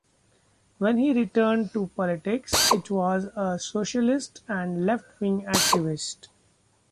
When he returned to politics, it was as a socialist and left-wing activist.